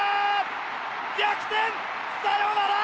逆転サヨナラ！